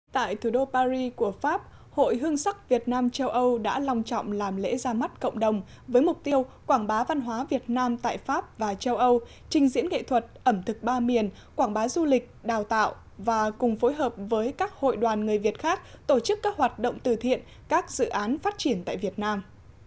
tại thủ đô paris của pháp hội hương sắc việt nam châu âu đã lòng trọng làm lễ ra mắt cộng đồng với mục tiêu quảng bá văn hóa việt nam tại pháp và châu âu trình diễn nghệ thuật ẩm thực ba miền quảng bá du lịch đào tạo và cùng phối hợp với các hội đoàn người việt khác tổ chức các hoạt động từ thiện các dự án phát triển tại việt nam